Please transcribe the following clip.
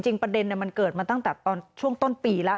จริงประเด็นน่ะมันเกิดมาตั้งแต่ช่วงต้นปีแล้ว